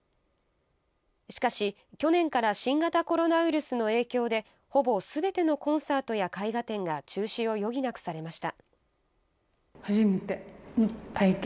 しかし、去年から新型コロナウイルスの影響でほぼすべてのコンサートや絵画展が中止を余儀なくされました。